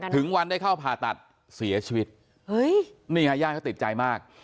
ถึงวันได้เข้าผ่าตัดเสียชีวิตนี่ฮะญาติเขาติดใจมาก